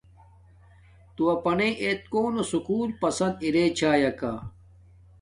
تو اپنݵ ایت کونو سوکول پسند ارے چھاݵیکا،